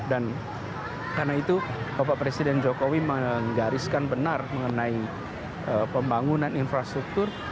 dan karena itu bapak presiden jokowi menggariskan benar mengenai pembangunan infrastruktur